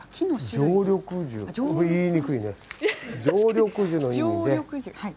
「常緑樹の意味で」。